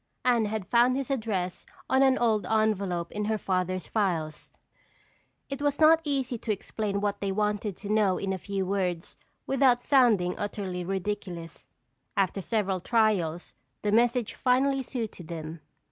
Anne had found his address on an old envelope in her father's files. It was not easy to explain what they wanted to know in a few words without sounding utterly ridiculous. After several trials, the message finally suited them.